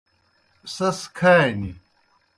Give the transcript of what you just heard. سیْس کھانیْ۔